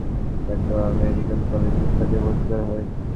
শিশুটি অসুস্থ হয়ে পড়লে তাকে ঢাকা মেডিকেল কলেজ হাসপাতালে ভর্তি করা হয়।